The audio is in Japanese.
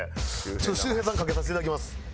ちょっと周平さんにかけさせていただきます。